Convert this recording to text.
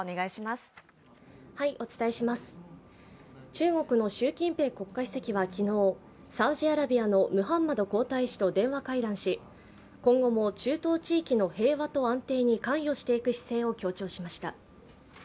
中国の習近平国家主席は昨日、サウジアラビアのムハンマド皇太子と電話会談し今後も中東地域の平和と安定に関与していく姿勢を強調しました。